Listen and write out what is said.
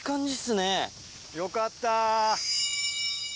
よかったー。